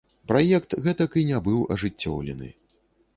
Праект гэтак і не быў ажыццёўлены.